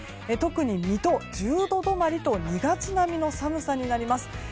特に水戸、１０度止まりと２月並みの寒さになります。